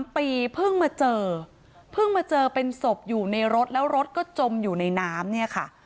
๓ปีเพิ่งมาเจอเพิ่งมาเจอเป็นศพอยู่ในรถแล้วรถก็จมอยู่ในน้ำเนี่ยค่ะ